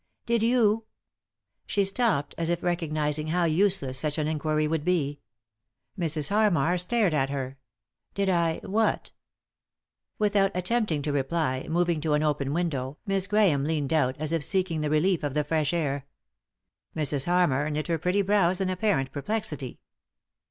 " Did you ?" She stopped, as if recognising how useless such an inquiry would be. Mrs. Harmar stared at her. " Did I— what ?" Without attempting to reply, moving to an open window, Miss Grahame leaned out, as if seeking the relief of the fresh air. Mrs. Harmar knit her pretty brows in apparent perplexity.